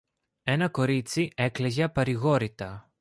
ένα κορίτσι έκλαιγε απαρηγόρητα.